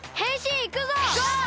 ゴー！